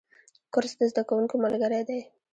کورس د زده کوونکو ملګری دی.